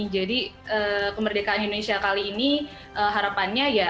jadi kemerdekaan indonesia kali ini harapannya ya